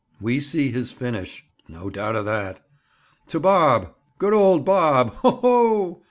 "We see his finish." "No doubt of that." "To Bob! Good old Bob! Ho! ho!"